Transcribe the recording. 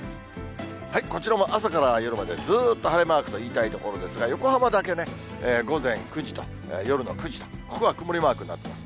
こちらも朝から夜まで、ずーっと晴れマークと言いたいところですが、横浜だけね、午前９時と夜の９時と、ここが曇りマークになっています。